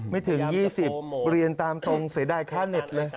ไม่ถึง๒๐เรียนตามตรงเสียดายค่าเน็ตเลย